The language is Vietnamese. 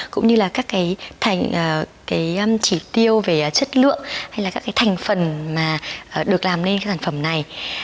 cũng như là các cái chỉ tiêu về chất lượng hay là các cái thành phần mà được làm nên cái sản phẩm này